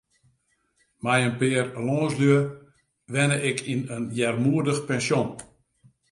Mei in pear lânslju wenne ik yn in earmoedich pensjon.